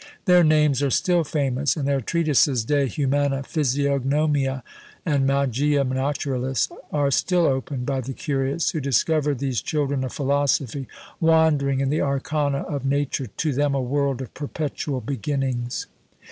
Their names are still famous, and their treatises, De Humana Physiognomia and Magia Naturalis, are still opened by the curious, who discover these children of philosophy wandering in the arcana of nature, to them a world of perpetual beginnings!